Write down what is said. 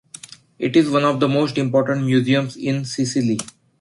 It is one of the most important museums in Sicily.